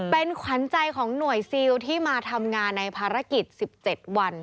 เป็นขวัญใจของหน่วยซิลที่มาทำงานในภารกิจ๑๗วัน